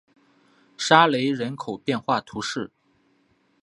沙雷人口变化图示